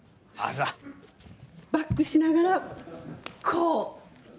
バックしながらこう。